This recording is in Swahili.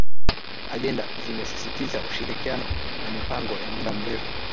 Ajenda zimesisitiza ushirikiano na mipango ya muda mrefu